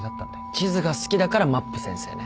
地図が好きだからまっぷ先生ね。